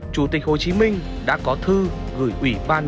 chủ tịch hồ chí minh đã có thư gửi ủy ban